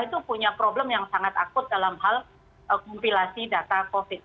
itu punya problem yang sangat akut dalam hal kompilasi data covid